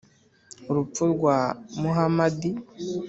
urupfu rwa muhamadi